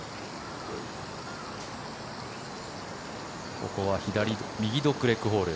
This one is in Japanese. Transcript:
ここは右ドッグレッグホール。